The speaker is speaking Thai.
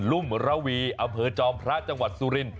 ลุมระวีอเผยจอมพระจังหวัดสุริน